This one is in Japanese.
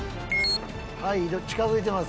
はい近付いてます